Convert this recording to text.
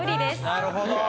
なるほど。